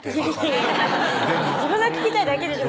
いやいや自分が聞きたいだけでしょ